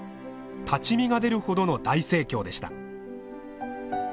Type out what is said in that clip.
立ち見が出るほどの大盛況でした。